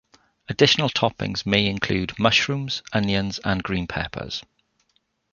Additional toppings may include mushrooms, onions, and green peppers.